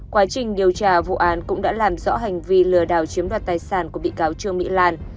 quá trình điều tra vụ án cũng đã làm rõ hành vi lừa đảo chiếm đoạt tài sản của bị cáo trương mỹ lan